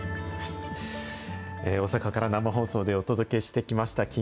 大阪から生放送でお届けしてきました